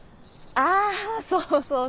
あそうそうそう。